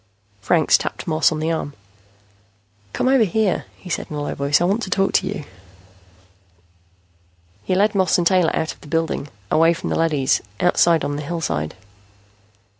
Franks tapped Moss on the arm. "Come over here," he said in a low voice. "I want to talk to you." He led Moss and Taylor out of the building, away from the leadys, outside on the hillside.